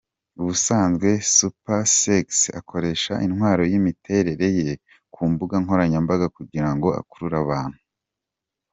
Ubusanzwe Supersexy akoresha intwaro y’imiterere ye ku mbuga nkoranyambaga kugira ngo akurure abantu.